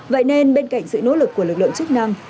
vậy nên bên cạnh sự nỗ lực của lực lượng chức năng